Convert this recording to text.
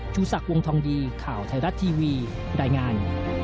ชูศักดิ์วงทองดีข่าวไทยรัฐทีวีรายงาน